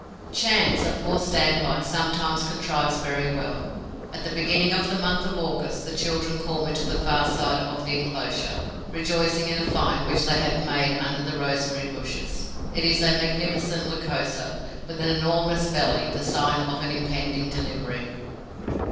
Chance, a poor stand by, sometimes contrives very well. At the beginning of the month of August, the children call me to the far side of the enclosure, rejoicing in a find which they have made under the rosemary bushes. It is a magnificent Lycosa, with an enormous belly, the sign of an impending delivery.